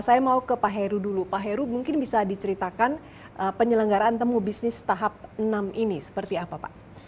saya mau ke pak heru dulu pak heru mungkin bisa diceritakan penyelenggaraan temu bisnis tahap enam ini seperti apa pak